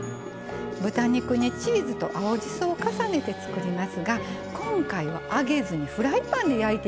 豚肉にチーズと青じそを重ねて作りますが今回は揚げずにフライパンで焼いていきますよ。